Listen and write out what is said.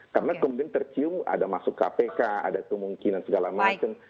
karena kemudian tercium ada masuk kpk ada kemungkinan segala macam